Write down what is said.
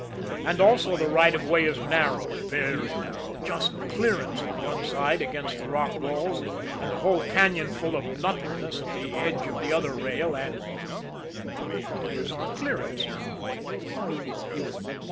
And also the right of way is narrow, very narrow; just clearance on one side against the rock walls, and a whole cañon full of nothingness at the edge of the other rail, and But there's our "clearance" now.